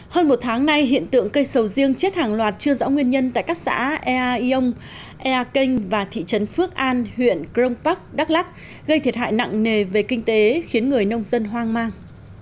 hơn một tháng nay hiện tượng cây sầu riêng chết hàng loạt chưa rõ nguyên nhân tại các xã ea yon ea canh và thị trấn phước an huyện crong park đắk lắc gây thiệt hại nặng nề về kinh tế khiến người nông dân hoang mang